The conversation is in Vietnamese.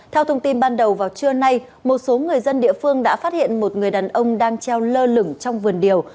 theo thông tin ban đầu vào trưa nay một số người dân địa phương đã phát hiện một người đàn ông đang treo lơ lửng trong vườn điều